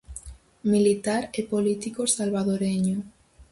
Militar e político salvadoreño.